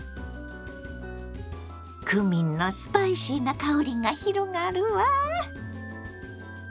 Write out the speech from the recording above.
クミンのスパイシーな香りが広がるわ！